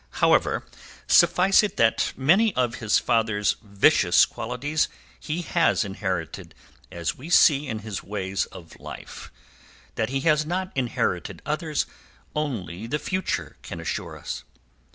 "However, suffice it that many of his father's vicious qualities he has inherited, as we see in his ways of life; that he has not inherited others only the future can assure us."